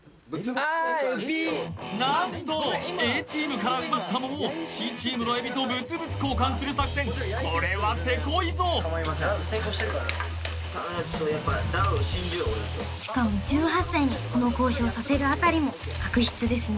何とＡチームから奪った桃をＣチームの海老と物々交換する作戦これはセコいぞしかも１８歳にこの交渉をさせるあたりも悪質ですね